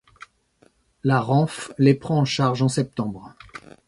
La Renfe les prend en charge en septembre.